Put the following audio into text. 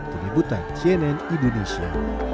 terlibatan cnn indonesia